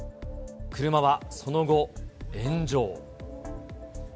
車はその後、炎上。